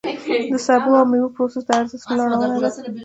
د سبو او مېوو پروسس د ارزښت لوړونه ده.